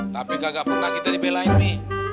tapi kagak pernah kita dibelain mi